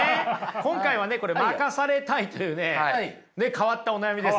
今回はねこれ負かされたいというね変わったお悩みですよね。